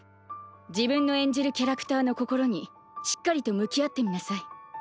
自分の演じるキャラクターの心にしっかりと向き合ってみなさい。